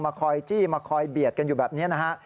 คอยจี้มาคอยเบียดกันอยู่แบบนี้นะฮะ